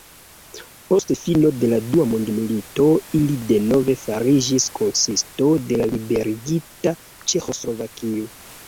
Post fino de la dua mondmilito ili denove fariĝis konsisto de la liberigita Ĉeĥoslovakio.